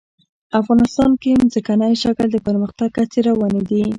افغانستان کې د ځمکنی شکل د پرمختګ هڅې روانې دي.